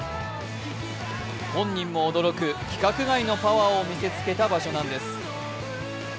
本人も驚く規格外のパワーを見せつけた場所なんです。